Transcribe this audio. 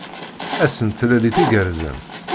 Ass n tlalit igerrzen.